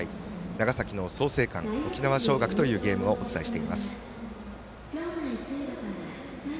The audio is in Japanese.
長崎の創成館沖縄尚学というゲームをお伝えしています。